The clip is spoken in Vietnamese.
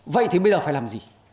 vậy thì bây giờ phải làm gì